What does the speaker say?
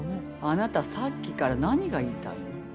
あなたさっきから何が言いたいの？